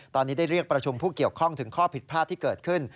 ตอนนี้ได้เรียกประชุมผู้เกี่ยวข้องถึงข้อผิดพลาดที่เกิดขึ้น